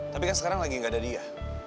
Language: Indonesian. tapi kan sekarang lagi gak ada dia